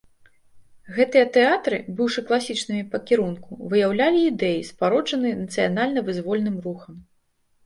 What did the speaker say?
Гэтыя тэатры, быўшы класічнымі пра кірунку, выяўлялі ідэі, спароджаныя нацыянальна-вызвольным рухам.